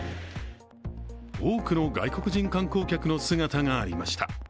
多くの外国人観光客の姿がありました。